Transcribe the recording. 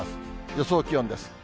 予想気温です。